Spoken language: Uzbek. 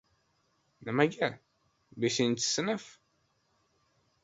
Nimaga? Beshinchi sinf?